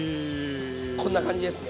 こんな感じですね。